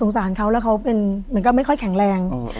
สารเขาแล้วเขาเป็นเหมือนก็ไม่ค่อยแข็งแรง